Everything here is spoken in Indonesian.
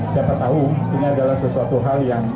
siapa tahu ini adalah sesuatu hal yang